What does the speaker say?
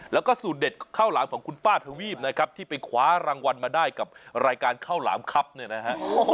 แล้วก็สูตรเด็ดข้าวหลามของคุณป้าทวีปนะครับที่ไปคว้ารางวัลมาได้กับรายการข้าวหลามครับเนี่ยนะฮะ